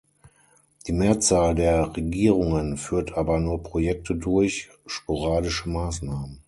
Die Mehrzahl der Regierungen führt aber nur Projekte durch, sporadische Maßnahmen.